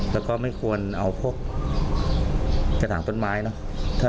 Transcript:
แล้วก็ไม่ควรเอาพวกกระถางต้นไม้เนอะ